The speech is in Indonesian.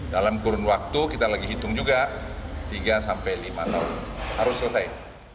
dalam kurun waktu kita lagi hitung juga tiga sampai lima tahun harus selesai